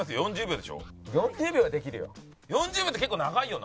４０秒はできるよ。